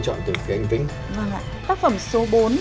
tác phẩm số bốn